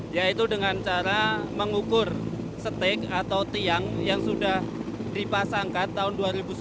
yaitu dengan cara mengukur steak atau tiang yang sudah dipasangkan tahun dua ribu sepuluh